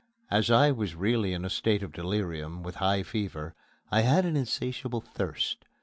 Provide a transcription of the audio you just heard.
As I was really in a state of delirium, with high fever, I had an insatiable thirst.